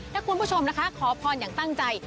ถ้าคุณผู้ชมนะคะขอพรอย่างตั้งใจ